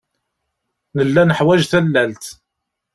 Nella neḥwaj tallalt.